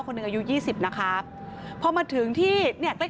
คนหนึ่งอายุยี่สิบนะคะพอมาถึงที่เนี่ย